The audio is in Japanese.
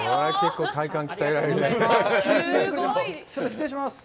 失礼します。